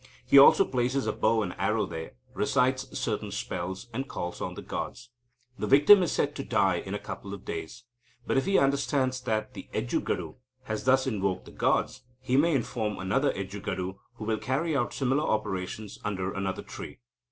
He also places a bow and arrow there, recites certain spells, and calls on the gods. The victim is said to die in a couple of days. But, if he understands that the Ejjugadu has thus invoked the gods, he may inform another Ejjugadu, who will carry out similar operations under another tree.